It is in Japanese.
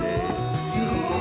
すごい！